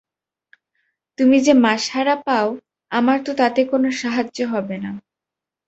তুমি যে মাসহারা পাও আমার তো তাতে কোনো সাহায্য হবে না।